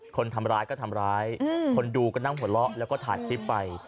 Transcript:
คนทำร้ายก็ทำร้ายคนดูก็นั่งหัวเราะแล้วก็ถ่ายคลิปไป